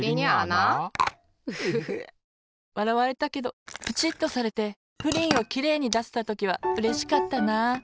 フフフ！わらわれたけどプチッとされてプリンをきれいにだせたときはうれしかったな。